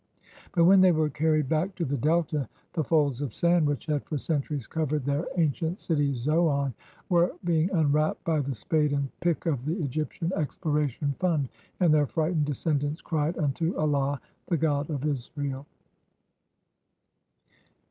But when they were carried back to the Delta, the folds of sand which had for centuries covered their an cient city Zoan were being unwrapped by the spade and pick of the "Egyptian Exploration Fund," and their frightened descendants cried unto Allah — the God of Israel!